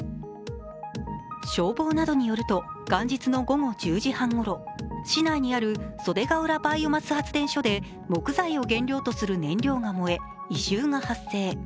消防などによると元日の午後１０時半ごろ、市内にある袖ケ浦バイオマス発電所で木材を原料とする燃料が燃え異臭が発生。